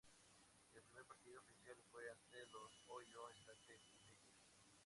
El primer partido oficial fue ante los Ohio State Buckeyes.